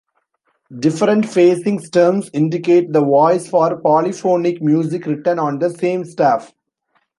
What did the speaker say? Different-facing stems indicate the voice for polyphonic music written on the same staff.